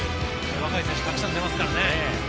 若い選手がたくさん出ますからね。